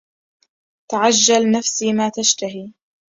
تعجل نفسي ما تشتهي